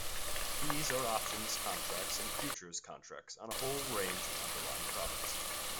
These are options contracts and futures contracts on a whole range of underlying products.